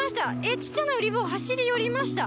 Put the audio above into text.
ちっちゃな、うり坊が走り寄りました。